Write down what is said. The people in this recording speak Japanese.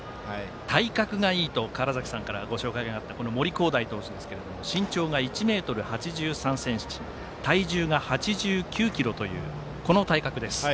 体格がいいと川原崎さんからご紹介があった森煌誠投手、身長が１ｍ８３ｃｍ体重が８９ｋｇという体格です。